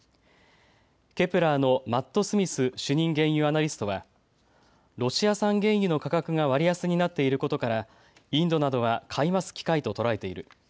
ＫＰＬＥＲのマット・スミス主任原油アナリストはロシア産原油の価格が割安になっていることからインドなどは買い増す機会と捉えている。